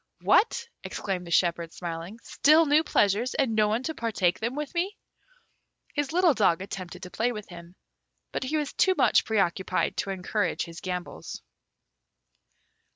"What!" exclaimed the shepherd, smiling; "still new pleasures, and no one to partake them with me?" His little dog attempted to play with him, but he was too much pre occupied to encourage his gambols.